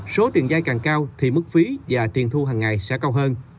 số tiền vay càng cao thì mức phí và tiền thu hằng ngày sẽ cao hơn